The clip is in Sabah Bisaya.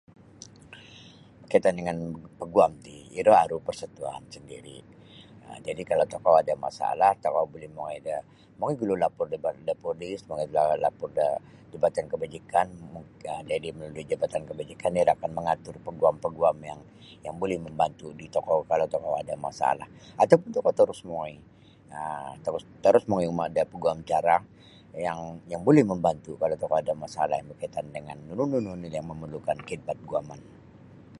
Berkaitan dangan paguam ti iro aru persatuan sendiri um jadi kalau tokou ada masalah tokou buli mongoi da mongoi gulu lapor da badan da polis mongoi gulu lapor da jabatan kebajikan um dia melalui jabatan kebajikan ia lah kan mangatur paguam yang buli mambantu di tokou kala tokou ada masalah ataupun tokou terus mongoi um tarus mongoi miuma da paguamcara yang yangbuli mambantu kalau tokou ada masalah yang berkaitan dengan nunu oni yang memerlukan khidmat guaman.